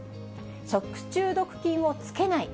食中毒菌をつけない。